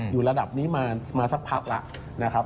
อยู่ระดับนี้มาสักพับแล้ว